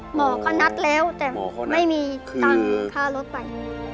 หมอก็นัดแล้วแต่ไม่มีตังค์ค่ารถไป